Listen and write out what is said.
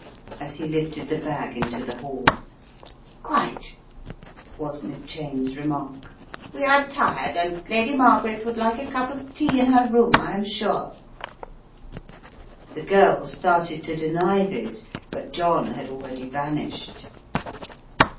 as he lifted the bag into the hall, "Quite," was Miss Cheyne's remark. "We are tired, and Lady Margaret would like a cup of tea in her room, I am sure." The girl started to deny this, but John had already vanished.